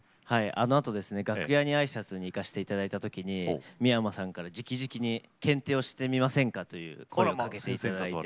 あのあとですね楽屋に挨拶に行かせていただいた時に三山さんからじきじきに「検定をしてみませんか」という声をかけていただいて。